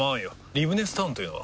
リブネスタウンというのは？